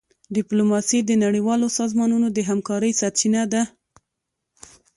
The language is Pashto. ډيپلوماسي د نړیوالو سازمانونو د همکارۍ سرچینه ده.